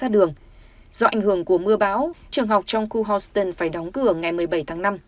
do ảnh hưởng của mưa bão trường học trong khu houston phải đóng cửa ngày một mươi bảy tháng năm